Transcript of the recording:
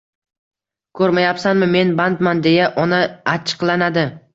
Ko‘rmayapsanmi, men bandman”, deya ona achchiqlanadi.